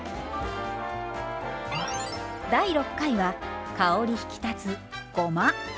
第６回は香り引き立つごま。